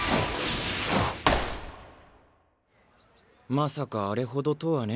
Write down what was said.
まさかあれほどとはね。